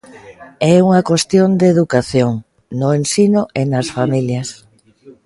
É unha cuestión de educación: no ensino e nas familias.